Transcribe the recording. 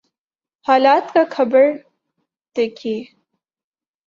حالات کا جبر دیکھیے۔